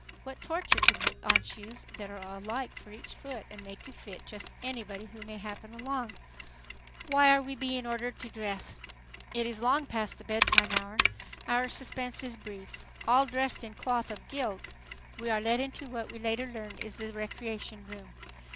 What torture to put on shoes that are alike for each foot and made to fit just anybody who may happen along. Why are we being ordered to dress? It is long past the bed time hour. Our suspense is brief. All dressed in cloth of "guilt" we are led into what we later learn is the "recreation" room.